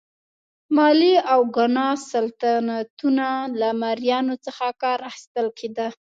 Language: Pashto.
مالي او ګانا سلطنتونه له مریانو څخه کار اخیستل کېده.